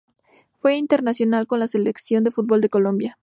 Fue internacional con la Selección de fútbol de Colombia.